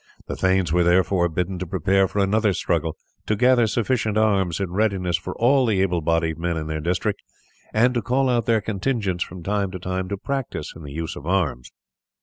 The thanes were therefore bidden to prepare for another struggle, to gather sufficient arms in readiness for all the able bodied men in their district, and to call out their contingents from time to time to practise in the use of arms.